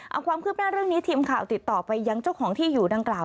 เอาความคืบหน้าเรื่องนี้ทีมข่าวติดต่อไปยังเจ้าของที่อยู่ดังกล่าว